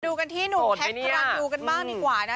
ดูกันที่นุงแพ็คทรัลณ์ดูกันบ้างดีกว่านะ